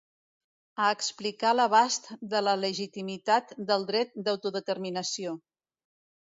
A explicar l’abast de la legitimitat del dret d’autodeterminació.